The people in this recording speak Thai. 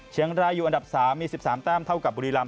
เชียงรายอยู่อันดับ๓มี๑๓แต้มเท่ากับบุรีรำ